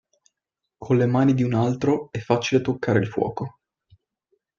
Con le mani di un altro è facile toccare il fuoco.